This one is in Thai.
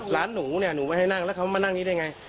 ร้านหนูเนี่ยหนูไม่ให้นั่งแล้วเขามานั่งนี้ได้ไง